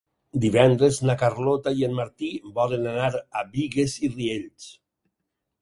Divendres na Carlota i en Martí volen anar a Bigues i Riells.